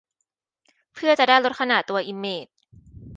เพื่อจะได้ลดขนาดตัวอิมเมจ